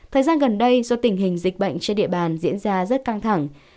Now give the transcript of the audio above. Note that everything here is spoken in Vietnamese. thời gian gần đây do tình hình dịch bệnh trên địa bàn diễn ra rất căng thẳng